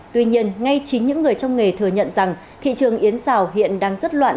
tuy nhiên ngay chính những người trong nghề thừa nhận rằng thị trường yến xào hiện đang rất loạn